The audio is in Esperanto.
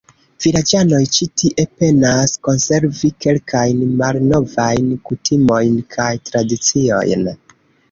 Vilaĝanoj ĉi tie penas konservi kelkajn malnovajn kutimojn kaj tradiciojn.